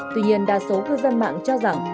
tuy nhiên đa số cư dân mạng cho rằng